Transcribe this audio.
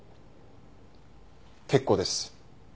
結構です。